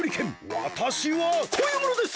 わたしはこういうものです！